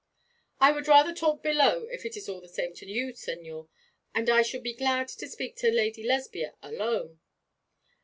'I would rather talk below, if it is all the same to you, Señor; and I should be glad to speak to Lady Lesbia alone.'